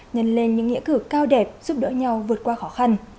nhân lên những nghĩa cử cao đẹp giúp đỡ nhau vượt qua khó khăn